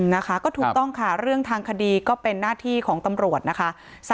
นะคะก็ถูกต้องค่ะเรื่องทางคดีก็เป็นหน้าที่ของตำรวจนะคะ